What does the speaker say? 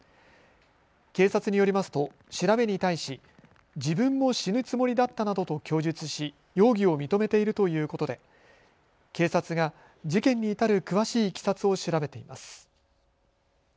警察によりますと調べに対し自分も死ぬつもりだったなどと供述し容疑を認めているということで警察が事件に至る詳しいいきさつを調べています。